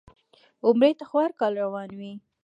عمرې ته خو هر کال روان وي.